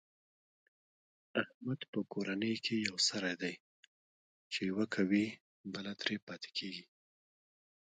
احمد په کورنۍ کې یو سری دی، چې یوه کوي بله ترې پاتې کېږي.